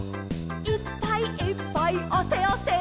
「いっぱいいっぱいあせあせ」